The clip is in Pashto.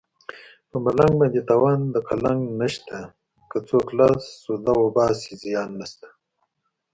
په ملنګ باندې تاوان د قلنګ نشته که څوک لاس سوده وباسي زیان نشته